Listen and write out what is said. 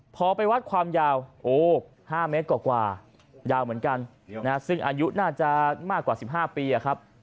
พอไปวัดความยาวโอ้๕เมตรกว่ายาวเหมือนกันซึ่งอายุน่าจะมากกว่า๑๕ปีครับ